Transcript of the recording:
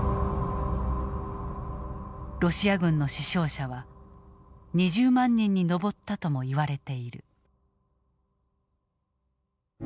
ロシア軍の死傷者は２０万人に上ったともいわれている。